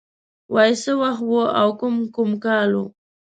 وای څه وخت و او کوم کوم کال و